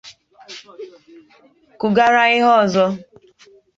kụghara ihe ọzọ